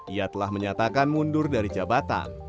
ia telah menyatakan mundur dari jabatan